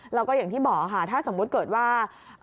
แล้วก็อย่างที่บอกค่ะถ้าสมมุติเกิดว่า